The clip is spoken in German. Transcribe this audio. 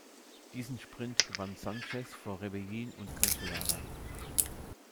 Diesen Sprint gewann Sánchez vor Rebellin und Cancellara.